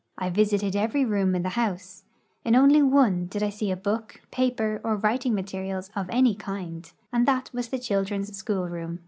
I visited every room in the house; in only one did 1 see a book, ])aper, or Avriting materials of any kind, and that was the children's school room.